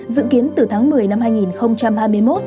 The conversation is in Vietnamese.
dự kiến từ tháng một mươi năm hai nghìn hai mươi một